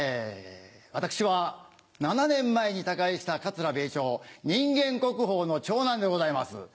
私は７年前に他界した桂米朝人間国宝の長男でございます。